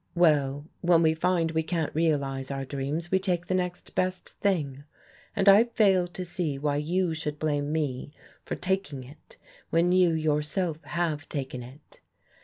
Well, when we find we can't realize our dreams, we take the next best thing. And I fail to see why you should blame me for taking it when you yourself have taken it.